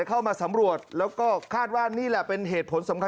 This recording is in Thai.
เข้ามาสำรวจแล้วก็คาดว่านี่แหละเป็นเหตุผลสำคัญ